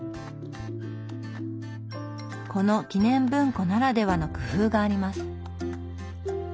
この記念文庫ならではの工夫があります。